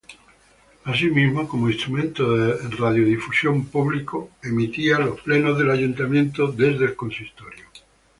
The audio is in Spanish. Asimismo, como instrumento de radiodifusión público, emitía los plenos del Ayuntamiento desde el Consistorio.